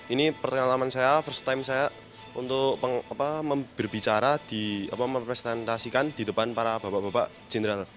ini pengalaman saya first time saya untuk berbicara mempresentasikan di depan para bapak bapak general